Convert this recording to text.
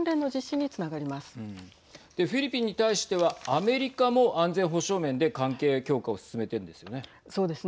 でフィリピンに対してはアメリカも安全保障面で関係強化を進めているんですよね。